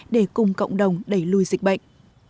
để cùng cộng đồng đẩy lùi dịch bệnh